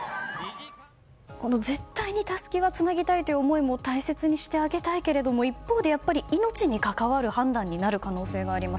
絶対にたすきはつなぎたいという思いも大切にしてあげたいけれども一方で命に関わる判断になる可能性があります。